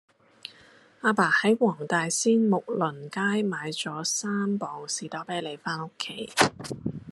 亞爸喺黃大仙睦鄰街買左三磅士多啤梨返屋企